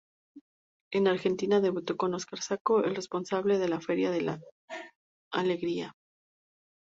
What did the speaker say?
En Argentina debutó con Oscar Sacco, el responsable de la "Feria de la alegría".